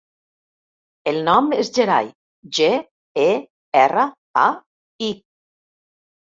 El nom és Gerai: ge, e, erra, a, i.